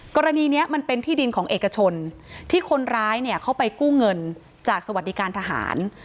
กรณีนี้มันเป็นที่ดินของเอกชนที่คนร้ายเนี่ยเขาไปกู้เงินจากสวัสดิการทหาร